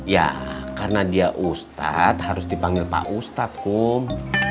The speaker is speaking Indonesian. ya karena dia ustadz harus dipanggil pak ustadz kum